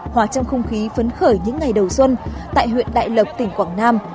hòa trong không khí phấn khởi những ngày đầu xuân tại huyện đại lộc tỉnh quảng nam